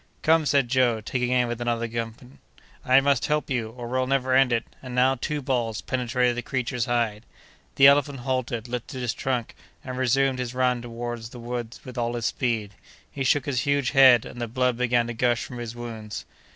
"Come!" said Joe, taking aim with another gun, "I must help you, or we'll never end it." And now two balls penetrated the creature's side. The elephant halted, lifted his trunk, and resumed his run toward the wood with all his speed; he shook his huge head, and the blood began to gush from his wounds.